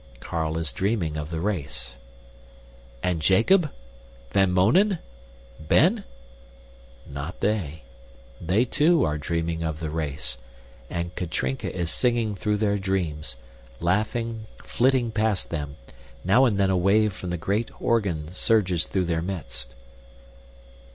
Carl is dreaming of the race. And Jacob? Van Mounen? Ben? Not they. They, too, are dreaming of the race, and Katrinka is singing through their dreams laughing, flitting past them; now and then a wave from the great organ surges through their midst.